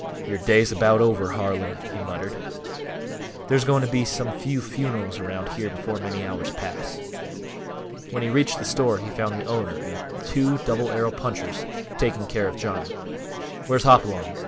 "Yore day's about over, Harlan," he muttered. "There's going to be some few funerals around here before many hours pass." When he reached the store he found the owner and two Double Arrow punchers taking care of Johnny. "Where's Hopalong?"